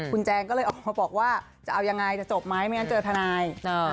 คุณแจงก็เลยออกมาบอกว่าจะเอายังไงจะจบไหมไม่งั้นเจอทนาย